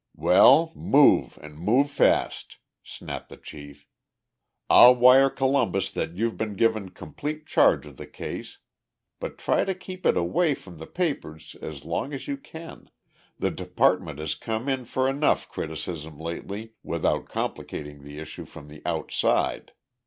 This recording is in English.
"Well, move and move fast," snapped the chief. "I'll wire Columbus that you've been given complete charge of the case; but try to keep it away from the papers as long as you can. The department has come in for enough criticism lately without complicating the issue from the outside.